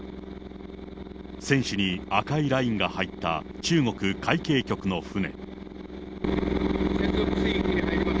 船首に赤いラインが入った中国海警局の船。